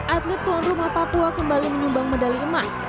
atlet tuan rumah papua kembali menyumbang medali emas